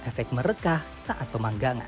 efek merekah saat pemanggangan